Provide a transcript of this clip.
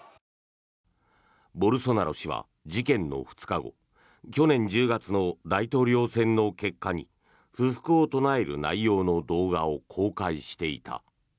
ボルソナロ氏は事件の２日後去年１０月の大統領選の結果に不服を唱える内容の動画を公開していた。